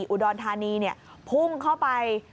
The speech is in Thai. อุดรธานีพุ่งเข้าไป